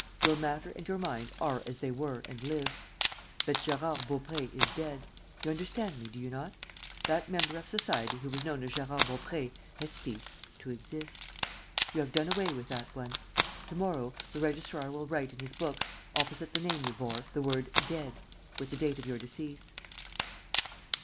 Your matter and your mind are as they were and live. But Gérard Baupré is dead. You understand me, do you not? That member of society who was known as Gérard Baupré has ceased to exist. You have done away with that one. To morrow, the registrar will write in his books, opposite the name you bore, the word 'Dead,' with the date of your decease."